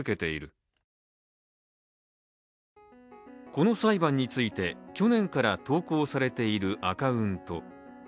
この裁判について、去年から投稿されているアカウント。